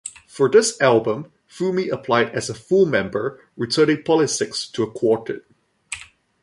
For this album, Fumi applied as a full member, returning Polysics to a quartet.